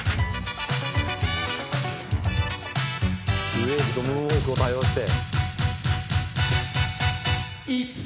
ウェーブとムーンウォークを多用して。